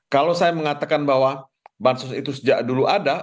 kalau saya mengatakan bahwa bansos itu sejak dulu ada